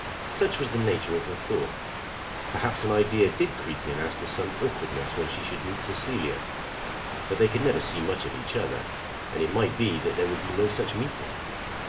Such was the nature of her thoughts. Perhaps an idea did creep in as to some awkwardness when she should meet Cecilia. But they could never see much of each other, and it might be that there would be no such meeting.